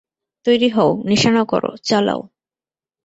তৈরি হও, নিশানা করো, চালাও।